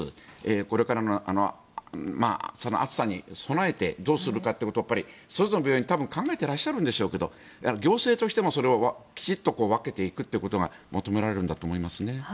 これからの暑さに備えてどうするかということをそれぞれの病院、多分考えていらっしゃるんでしょうが行政としてもそれをきちんと分けていくことが求められるんだと思います。